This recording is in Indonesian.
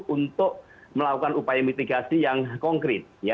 untuk melakukan upaya mitigasi yang konkret